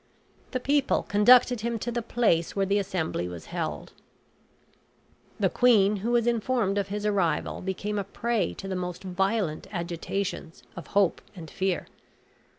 The people conducted him to the place where the assembly was held. The queen, who was informed of his arrival, became a prey to the most violent agitations of hope and fear.